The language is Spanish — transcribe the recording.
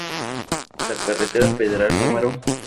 La carretera federal No.